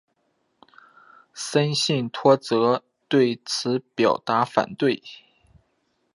森信托则对此表达反对。